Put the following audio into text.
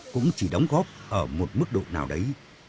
cũng chỉ đóng góp ở một mức độ nào đấy